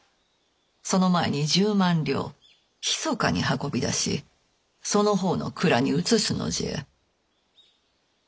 その前に１０万両ひそかに運び出しその方の蔵に移すのじゃ。